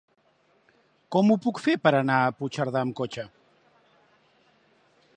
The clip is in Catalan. Com ho puc fer per anar a Puigcerdà amb cotxe?